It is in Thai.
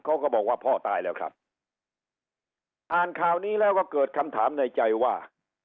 เขาก็บอกว่าพ่อตายแล้วครับอ่านข่าวนี้แล้วก็เกิดคำถามในใจว่า